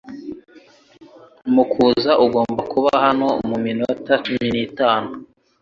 Makuza agomba kuba hano muminota cumi n'itanu .